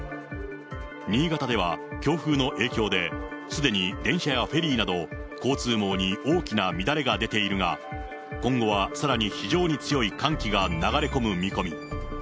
新潟では強風の影響で、すでに電車やフェリーなど、交通網に大きな乱れが出ているが、今後はさらに非常に強い寒気が流れ込む見込み。